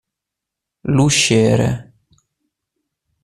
L'usciere.